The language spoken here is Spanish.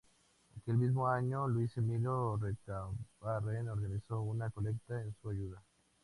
Aquel mismo año, Luis Emilio Recabarren organizó una colecta en su ayuda.